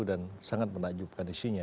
dan sangat menakjubkan isinya